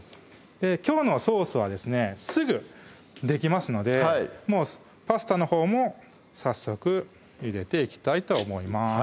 きょうのソースはですねすぐできますのでパスタのほうも早速ゆでていきたいと思います